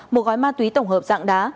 một gói ma túy tổng hợp dạng đá